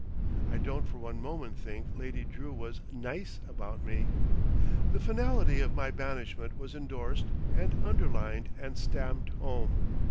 I don't for one moment think Lady Drew was "nice" about me. The finality of my banishment was endorsed and underlined and stamped home.